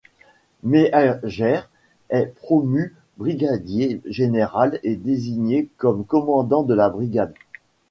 Meagher est promu brigadier général et désigné comme commandant de la brigade.